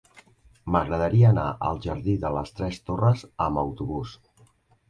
M'agradaria anar al jardí de les Tres Torres amb autobús.